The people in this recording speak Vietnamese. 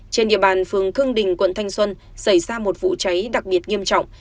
trên địa bàn phường khương đình quận thanh xuân xảy ra một vụ cháy đặc biệt nghiêm trọng